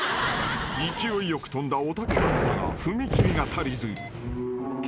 ［勢いよく跳んだおたけだったが踏み切りが足りず］